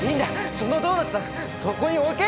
そのドーナツはそこに置け！